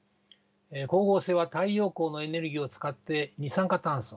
光合成は太陽光のエネルギーを使って二酸化炭素